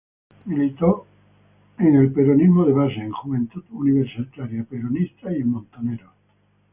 Militó en el en el Peronismo de Base, en Juventud Universitaria Peronista y Montoneros.